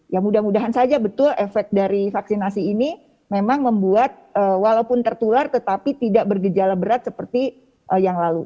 ya mudah mudahan saja betul efek dari vaksinasi ini memang membuat walaupun tertular tetapi tidak bergejala berat seperti yang lalu